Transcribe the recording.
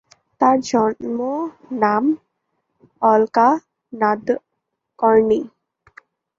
তার জন্ম নাম অলকা নাদকর্ণি।